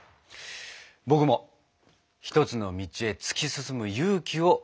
僕も一つの道へ突き進む勇気をもらった気がします。